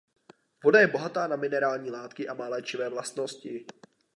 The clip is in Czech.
Voda je bohatá na minerální látky a má léčivé vlastnosti.